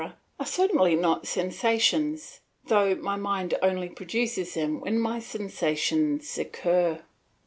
are certainly not sensations, although my mind only produces them when my sensations occur.